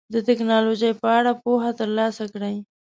د ټکنالوژۍ په اړه پوهه ترلاسه کړئ.